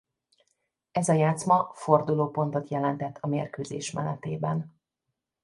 Ez a játszma fordulópontot jelentett a mérkőzés menetében.